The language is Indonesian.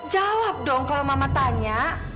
jawab dong kalau mama tanya